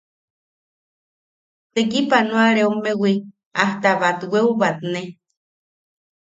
Tekipanoareommewi hasta batweu batne.